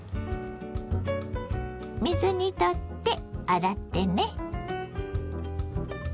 水にとって洗ってね。